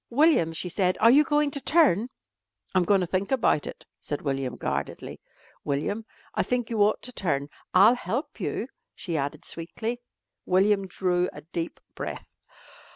"William," she said, "are you going to turn?" "I'm goin' to think about it," said William guardedly. "William, I think you ought to turn. I'll help you," she added sweetly. William drew a deep breath.